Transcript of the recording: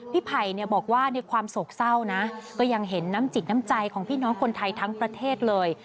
ไผ่บอกว่าในความโศกเศร้านะก็ยังเห็นน้ำจิตน้ำใจของพี่น้องคนไทยทั้งประเทศเลย